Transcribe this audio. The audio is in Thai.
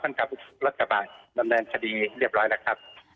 คนขับรถกระบาดนำได้สดีเรียบร้อยหรือครับ